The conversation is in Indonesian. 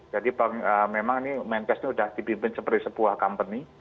jadi memang ini menkes ini sudah dibimbing seperti sebuah company